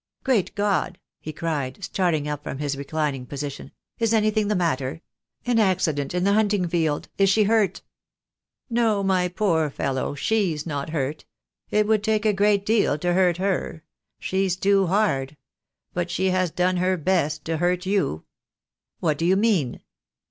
"Great God!" he cried, starting up from his reclining position; "is anything the matter? An accident in the hunting field! Is she hurt?" 30 THE DAY WILL COME. "No, my poor fellow. She's not hurt. It would take a great deal to hurt her. She's too hard. But she has done her best to hurt you." "What do you mean?"